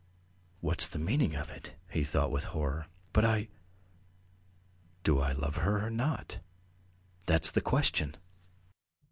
"What's the meaning of it?" he thought with horror. "But I ... do I love her or not? That's the question!"